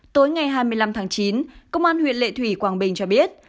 tối ngày hai mươi năm tháng chín công an huyện lệ thủy quảng bình cho biết